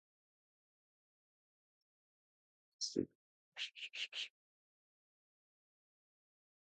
کہ واقعہ میں ملوث rescue double one double two اور موقع پر موجود پولیس اہلکاروں کے خلاف بھی قتل کا مقدمہ درج کیا جائے